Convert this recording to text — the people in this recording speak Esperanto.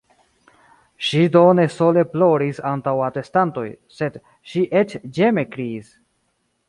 Ŝi do ne sole ploris antaŭ atestantoj, sed ŝi eĉ ĝeme kriis.